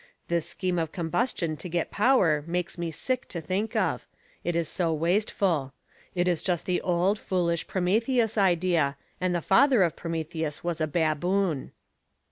This scheme of combustion to get power makes me sick to think of it is so wasteful. It is just the old, foolish Prometheus idea, and the father of Prometheus was a baboon."